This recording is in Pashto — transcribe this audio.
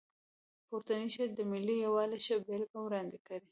پورتنی شعر د ملي یووالي ښه بېلګه وړاندې کړې.